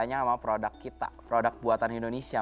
bangganya sama produk kita produk buatan indonesia